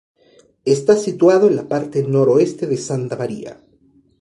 Está situado en la parte noroeste de Santa Maria.